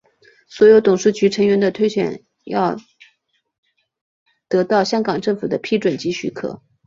所有董事局成员的推选要得到香港政府的批准及许可。